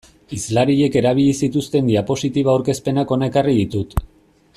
Hizlariek erabili zituzten diapositiba aurkezpenak hona ekarri ditut.